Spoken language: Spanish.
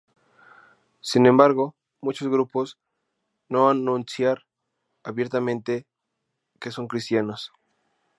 Sin embargo, muchos grupos no anunciar abiertamente que son cristianos.